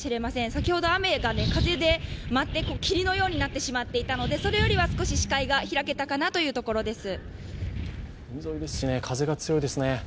先ほど雨が風で舞って霧のようになってしまっていたのでそれよりは少し視界が開けたという感じです。